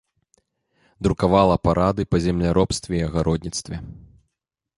Друкавала парады па земляробстве і агародніцтве.